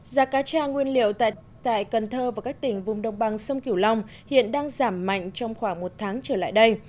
giá cá tra nguyên liệu tại cần thơ và các tỉnh vùng đông bằng sông kiểu long hiện đang giảm mạnh trong khoảng một tháng trở lại đây